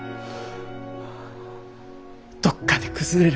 どっかで崩れる。